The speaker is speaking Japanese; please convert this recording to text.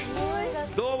どうも。